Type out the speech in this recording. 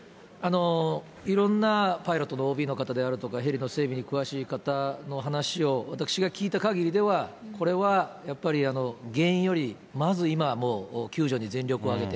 いろんなパイロットのＯＢの方であるとか、ヘリの整備に詳しい方の話を私が聞いたかぎりでは、これはやっぱり原因より、まず今、救助に全力を挙げて。